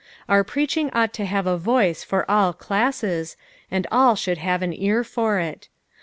Our preaching ought to have a voice for all classes, and all should have an ear for it.